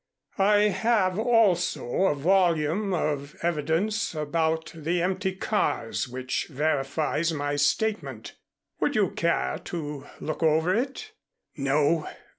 "I have also a volume of evidence about the empty cars which verifies my statement. Would you care to look over it?" "No.